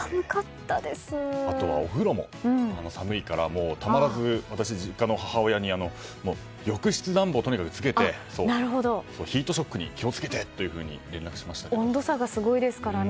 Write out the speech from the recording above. あとはお風呂も寒いからもうたまらず私、実家の母親に浴室暖房をつけてヒートショックに気を付けてと温度差がすごいですからね。